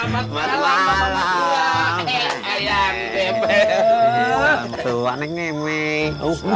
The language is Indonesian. selamat malam bapak mertua